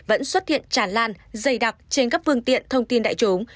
vẫn xuất hiện tràn lan dày đặc trên các phương tiện thông tin đại chúng